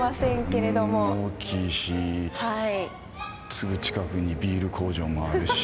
大きいしすぐ近くにビール工場もあるし。